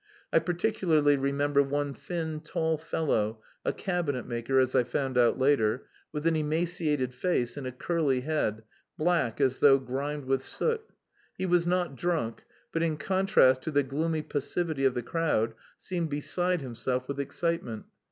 I particularly remember one thin, tall fellow, a cabinet maker, as I found out later, with an emaciated face and a curly head, black as though grimed with soot. He was not drunk, but in contrast to the gloomy passivity of the crowd seemed beside himself with excitement.